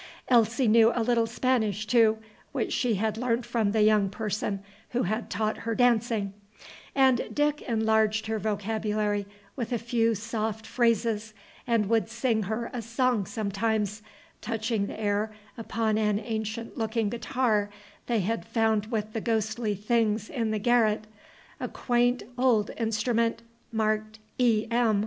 Elsie knew a little Spanish too, which she had learned from the young person who had taught her dancing, and Dick enlarged her vocabulary with a few soft phrases, and would sing her a song sometimes, touching the air upon an ancient looking guitar they had found with the ghostly things in the garret, a quaint old instrument, marked E. M.